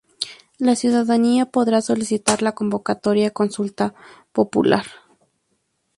La ciudadanía podrá solicitar la convocatoria a consulta popular.